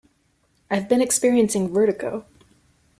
I've been experiencing Vertigo.